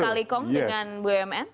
yang berkong kali kong dengan bumn